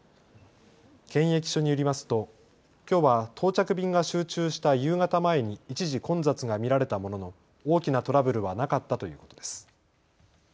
検疫所によりますときょうは到着便が集中した夕方前に一時混雑が見られたものの大きなトラブルはなかったということです。